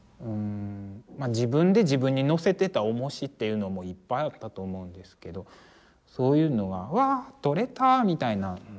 自分で自分に載せてたおもしっていうのもいっぱいあったと思うんですけどそういうのが「うわ取れた」みたいなのがあって。